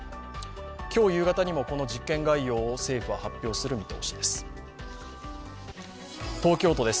今日夕方にもこの実験概要を政府は発表する見通しです。